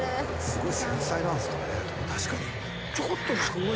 確かに。